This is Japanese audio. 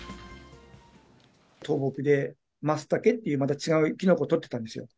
倒木でマツタケっていうまた違うキノコ採ってたんですよ。